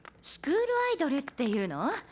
「スクールアイドル」っていうの？